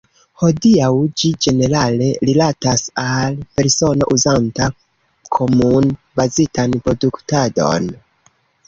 Hodiaŭ ĝi ĝenerale rilatas al persono uzanta komun-bazitan produktadon.